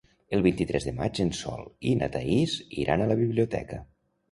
El vint-i-tres de maig en Sol i na Thaís iran a la biblioteca.